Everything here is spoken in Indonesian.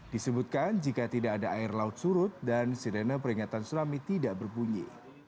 disebutkan jika tidak ada air laut surut dan sirene peringatan tsunami tidak berbunyi